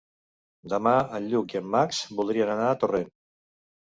Demà en Lluc i en Max voldrien anar a Torrent.